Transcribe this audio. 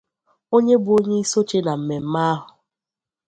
onye bụ onyeisi oche na mmemme ahụ